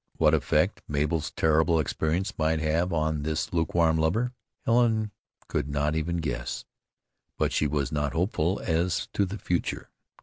What effect Mabel's terrible experience might have on this lukewarm lover, Helen could not even guess; but she was not hopeful as to the future.